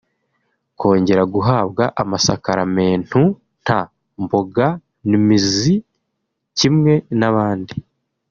kongera guhabwa amasakaramentu nta mboganmizi kimwe n’abandi